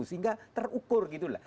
sehingga terukur gitu lah